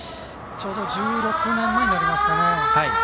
ちょうど１６年前になりますかね